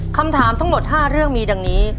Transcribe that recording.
คำถามทั้งหมด๕เรื่องมีดังนี้